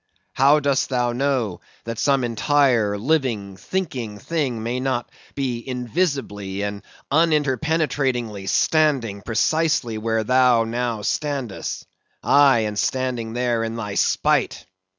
How dost thou know that some entire, living, thinking thing may not be invisibly and uninterpenetratingly standing precisely where thou now standest; aye, and standing there in thy spite?